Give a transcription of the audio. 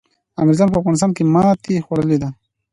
انګریزانو په افغانستان کي ماتي خوړلي ده.